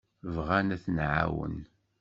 Bɣan ad ten-nɛawen.